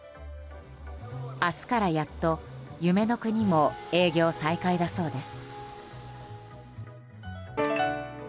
明日からやっと夢の国も営業再開だそうです。